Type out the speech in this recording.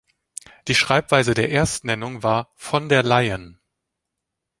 Die Schreibweise der Erstnennung war „von der Leyen“.